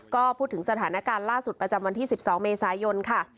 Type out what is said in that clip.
ก็พูดถึงสถานการณ์ล่าสุดประจำวันที่๑๒เมษายนค่ะ